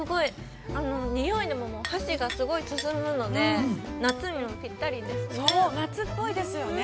◆においでも、箸が進むので、夏にもぴったりですね。